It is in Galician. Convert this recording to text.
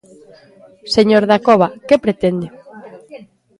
Señor Dacova, ¿que pretende?